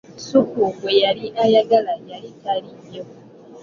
Ssupu gwe yali ayagala yali taliyo.